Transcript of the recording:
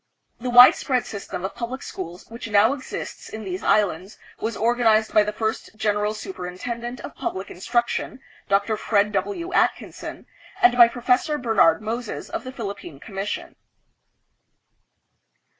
The widespread system of public schools which now exists in these islands was organized by the first General Superintendent of Pub lic Instruction, Dr. Fred W. Atkinson, and by Professor Bernard Moses of the Philippine Commission.